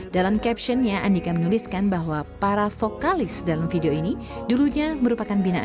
dalam captionnya andika menuliskan bahwa para vokalis dalam video ini dulunya merupakan binaan